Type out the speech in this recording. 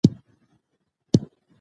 انسان د خپل ژوند د پای په اړه فکر کوي.